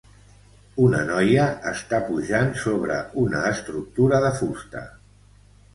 Una noia està pujant sobre una estructura de fusta.